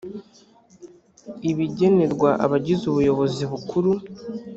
ibigenerwa abagize ubuyobozi bukuru